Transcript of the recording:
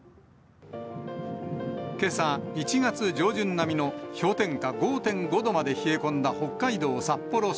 けさ、１月上旬並みの氷点下５．５度まで冷え込んだ北海道札幌市。